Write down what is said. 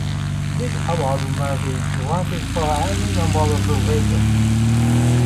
This award may be granted for any number of reasons.